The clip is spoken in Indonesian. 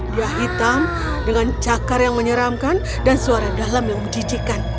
dia hitam dengan cakar yang menyeramkan dan suara dalam yang menjijikan